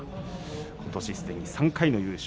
ことし、すでに３回の優勝